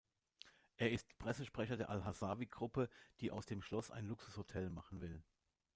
Er ist Pressesprecher der Al-Hassawi Gruppe, die aus dem Schloss ein Luxushotel machen will.